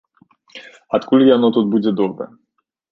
Адкуль яно тут будзе добра?